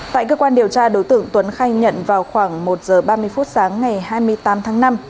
tại cơ quan điều tra đối tượng tuấn khai nhận vào khoảng một giờ ba mươi phút sáng ngày hai mươi tám tháng năm